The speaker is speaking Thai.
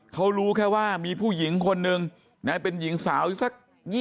เขารู้แค่ว่ามีผู้หญิงคนหนึ่งเป็นหญิงสาวอยู่สัก๒๐